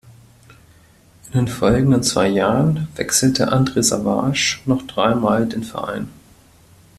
In den folgenden zwei Jahren wechselte Andre Savage noch dreimal den Verein.